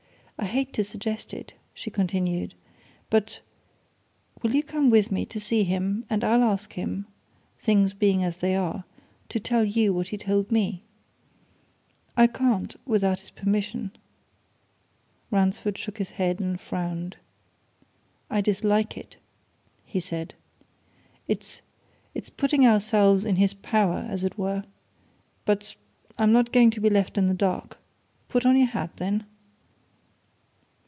"I hate to suggest it," she continued, "but will you come with me to see him, and I'll ask him things being as they are to tell you what he told me. I can't without his permission." Ransford shook his head and frowned. "I dislike it!" he said. "It's it's putting ourselves in his power, as it were. But I'm not going to be left in the dark. Put on your hat, then."